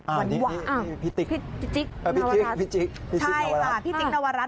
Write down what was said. อ่านี่พี่ติ๊กนวรัสพี่ติ๊กนวรัสใช่ค่ะพี่ติ๊กนวรัส